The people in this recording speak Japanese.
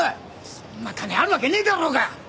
そんな金あるわけねえだろうが！